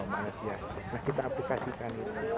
nah kita aplikasikan itu